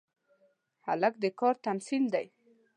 هلک د کار تمثیل دی.